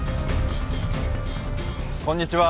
こんにちは。